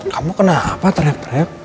kamu kenapa teriak teriak